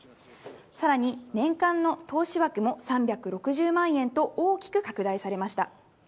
さらに年間の投資枠も３６０万円と大きく拡大されました。